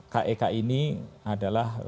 kek ini adalah